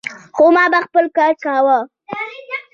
خو ما به خپل کار کاوه.